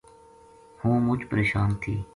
ہوں مُچ پرشان تھی